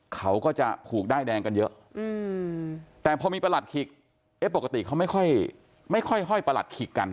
เขาก็จะผูกด้ายแดงกันเยอะแต่พอมีประหลัดขิกปกติเขาไม่ค่อยห้อยประหลัดขิกกัน